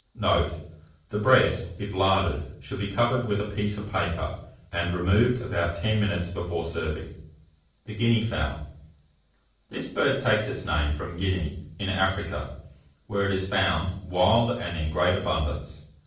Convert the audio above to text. Note. The breast, if larded, should be covered with a piece of paper, and removed about 10 minutes before serving. [Illustration: GUINEA FOWLS.] THE GUINEA FOWL. The bird takes its name from Guinea, in Africa, where it is found wild, and in great abundance.